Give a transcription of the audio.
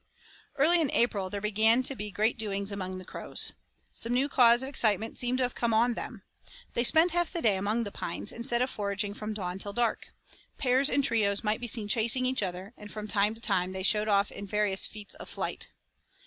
Early in April there began to be great doings among the crows. Some new cause of excitement seemed to have come on them. They spent half the day among the pines, instead of foraging from dawn till dark. Pairs and trios might be seen chasing each other, and from time to time they showed off in various feats of flight.